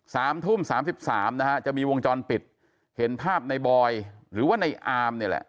สามทุ่มสามสิบสามนะฮะจะมีวงจรปิดเห็นภาพในบอยหรือว่าในอามเนี่ยแหละ